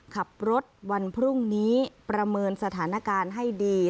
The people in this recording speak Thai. ขับรถวันพรุ่งนี้ประเมินสถานการณ์ให้ดี